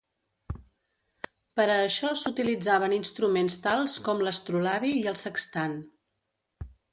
Per a això s'utilitzaven instruments tals com l'astrolabi i el sextant.